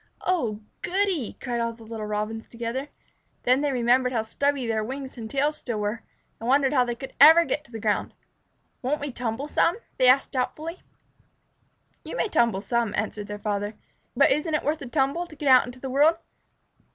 "Oh goody!" cried all the little Robins together. Then they remembered how stubby their wings and tails still were, and wondered how they could ever get to the ground. "Won't we tumble some?" they asked doubtfully. "You may tumble some," answered their father, "but isn't it worth a tumble to get out into the world?